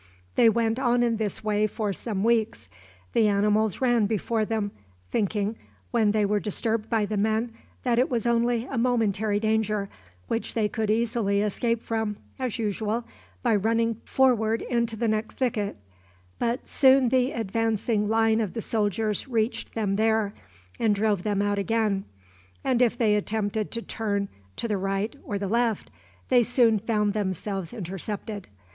They went on in this way for some weeks. The animals ran before them, thinking, when they were disturbed by the men, that it was only a momentary danger, which they could easily escape from, as usual, by running forward into the next thicket; but soon the advancing line of the soldiers reached them there, and drove them out again, and if they attempted to turn to the right or the left they soon found themselves intercepted.